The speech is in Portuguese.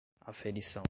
aferição